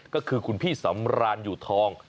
ก็คือคุณพี่สำรานอยู่ทอง